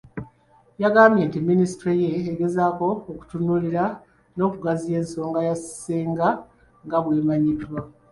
Yagambye nti minisitule ye egezaako okutunuulira n'okugaziya ensonga ya Ssenga nga bwemanyiddwa .